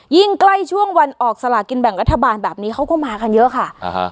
ยิ่งใกล้ช่วงวันออกสลากินแบ่งรัฐบาลแบบนี้เขาก็มากันเยอะค่ะอ่าฮะ